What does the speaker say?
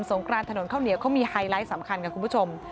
งกรานถนนข้าวเหนียวเขามีไฮไลท์สำคัญค่ะคุณผู้ชม